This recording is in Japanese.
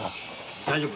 大丈夫。